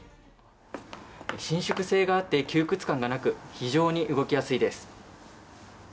伸縮性があって、窮屈感がなく、非常に動きやすいです。